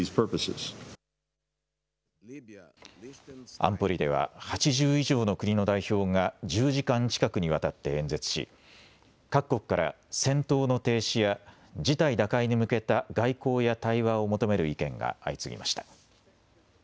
安保理では、８０以上の国の代表が１０時間近くにわたって演説し、各国から戦闘の停止や事態打開に向けた外交や対話を求める意見が相次ぎました。